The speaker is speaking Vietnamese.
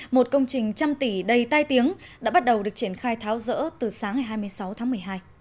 một công trình trăm tỷ đầy tai tiếng đã bắt đầu được triển khai tháo rỡ từ sáng ngày hai mươi sáu tháng một mươi hai